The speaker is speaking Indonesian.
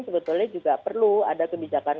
sebetulnya juga perlu ada kebijakan